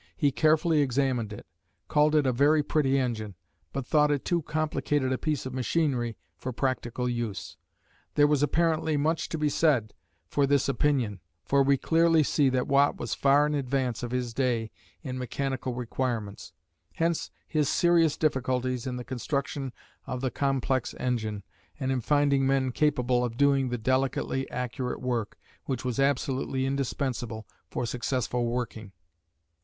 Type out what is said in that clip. He carefully examined it, called it a "very pretty engine," but thought it too complicated a piece of machinery for practical use. There was apparently much to be said for this opinion, for we clearly see that Watt was far in advance of his day in mechanical requirements. Hence his serious difficulties in the construction of the complex engine, and in finding men capable of doing the delicately accurate work which was absolutely indispensable for successful working.